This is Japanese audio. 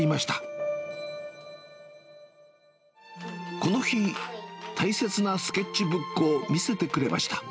この日、大切なスケッチブックを見せてくれました。